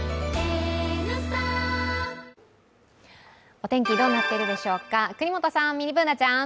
お天気どうなっているでしょうか、國本さん、ミニＢｏｏｎａちゃん。